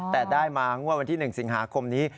แต่ได้มางวดวันที่๑สิงหาคมนี้